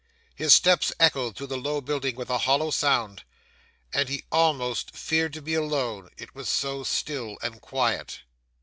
His steps echoed through the low building with a hollow sound, and he almost feared to be alone, it was so still and quiet.